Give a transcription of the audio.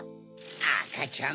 あかちゃん